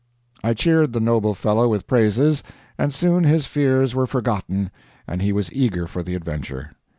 I cheered the noble fellow with praises, and soon his fears were forgotten and he was eager for the adventure.